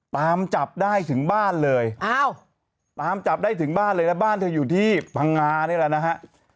ตามจับได้ถึงบ้านเลยตามจับได้ถึงบ้านเลยนะบ้านเธออยู่ที่พังงานี่แหละนะฮะ